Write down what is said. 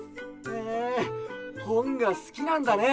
へえほんがすきなんだね。